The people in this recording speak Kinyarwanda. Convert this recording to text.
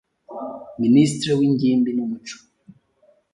Minisitiri w’Ingimbi n’umuco,